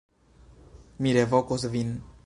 Mi revokos vin.